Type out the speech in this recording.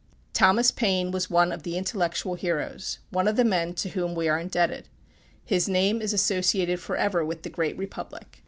Thomas Paine was one of the intellectual heroes one of the men to whom we are indebted. His name is associated forever with the Great Republic.